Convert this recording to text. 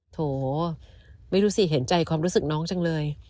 โถไม่รู้สิเห็นใจความรู้สึกน้องจังเลย